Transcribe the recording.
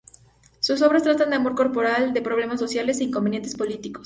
Sus obras tratan de amor corporal, de problemas sociales e inconvenientes políticos.